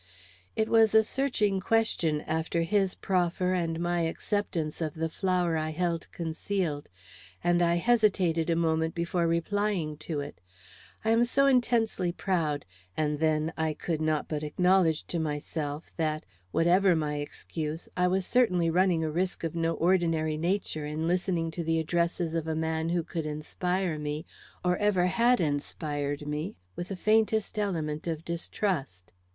It was a searching question after his proffer, and my acceptance of the flower I held concealed, and I hesitated a moment before replying to it. I am so intensely proud; and then I could not but acknowledge to myself that, whatever my excuse, I was certainly running a risk of no ordinary nature in listening to the addresses of a man who could inspire me, or ever had inspired me, with the faintest element of distrust.